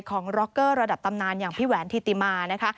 ร็อกเกอร์ระดับตำนานอย่างพี่แหวนธิติมานะคะ